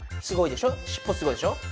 すごいでしょ。